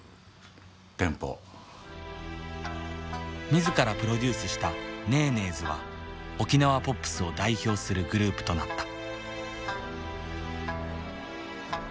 自らプロデュースしたネーネーズは沖縄ポップスを代表するグループとなった。